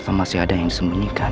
kan masih ada yang disembunyikan